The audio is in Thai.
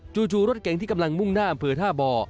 จู่รถเก่งที่กำลังมุ่งหน้าอำเภอท่าบ่อ